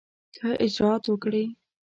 ښه اجرآت وکړي.